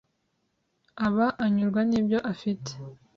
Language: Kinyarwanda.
aba anyurwa n’ibyo afite